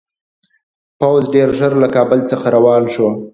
پوځ ډېر ژر له کابل څخه روان شو.